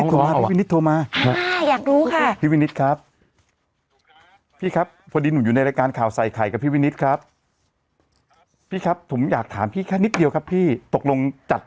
ครับผมพี่วินิตครับผมขอบพระคุณครับพี่ครับขอบคุณค่ะครับพี่ครับ